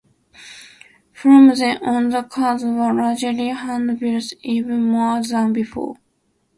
From then on, the cars were largely hand-built, even more than before.